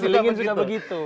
di link in juga begitu